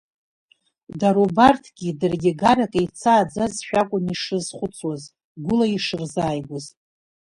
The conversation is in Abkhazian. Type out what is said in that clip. Дара убарҭгьы даргьы гарак еицааӡазшәа акәын ишрызхәыцуаз, гәла ишырзааигәаз.